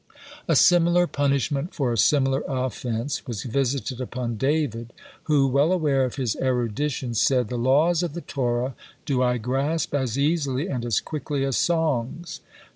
A similar punishment for a similar offense was visited upon David who, well aware of his erudition, said, "The laws of the Torah do I grasp as easily and as quickly as songs."